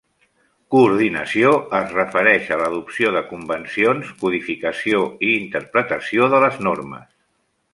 Coordinació es refereix a l'adopció de convencions, codificació i interpretació de les normes.